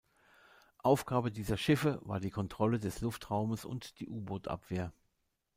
Aufgabe dieser Schiffe war die Kontrolle des Luftraumes und die U-Bootabwehr.